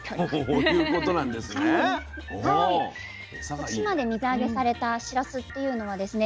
徳島で水揚げされたしらすっていうのはですね